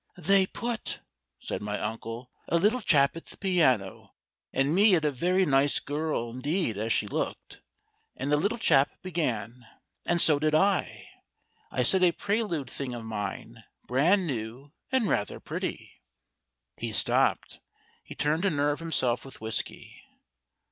"They put," said my uncle, "a little chap at the piano, and me at a very nice girl indeed as she looked; and the little chap began, and so did I. I said a prelude thing of mine, brand new and rather pretty." He stopped. He turned to nerve himself with whisky.